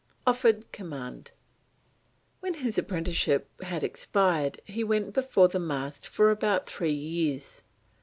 OFFERED COMMAND. When his apprenticeship had expired he went before the mast for about three years.